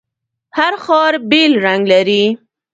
هر ښار بیل رنګ لري.